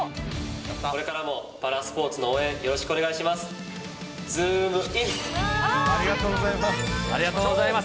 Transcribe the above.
これからもパラスポーツの応援よろしくお願いします。